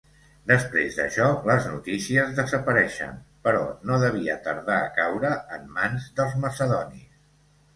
Després d'això les notícies desapareixen, però no devia tardar a caure en mans dels macedonis.